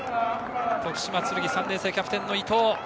徳島のつるぎ３年生キャプテンの伊藤。